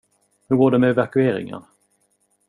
Hur går det med evakueringen?